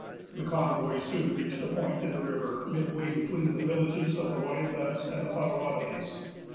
The convoy soon reached a point in the river midway between the villages of the Wyandots and the Pottawattamies.